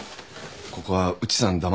ここは内さんだ